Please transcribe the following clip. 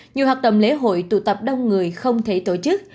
nhiều hợp đồng lễ hội tụ tập đông người không thể tổ chức